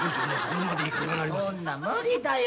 そんな無理だよ。